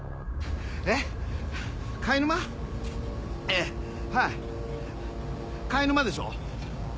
ええはい貝沼でしょ？